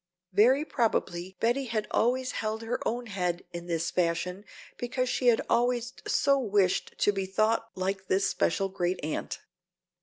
Very probably Betty had always held her own head in this fashion because she had always so wished to be thought like this special great aunt.